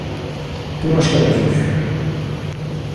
Temos que aprender.